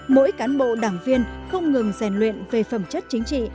mỗi cán bộ đảng viên không ngừng rèn luyện về phẩm chất chính trị